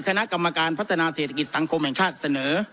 คณะกรรมการพัฒนาเศรษฐกิจสังคมแห่งชาติเสนอ